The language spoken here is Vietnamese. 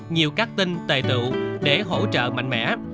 nhiều các tin tề tựu để hỗ trợ mạnh mẽ